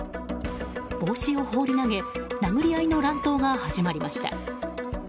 帽子を放り投げ殴り合いの乱闘が始まりました。